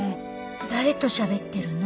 誰としゃべってるの？